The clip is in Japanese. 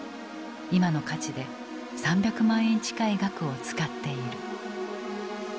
今の価値で３００万円近い額を使っている。